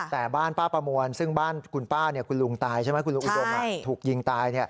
แต่บ้านป้าประมวลซึ่งบ้านคุณป้าคุณลุงอุดมถูกยิงตาย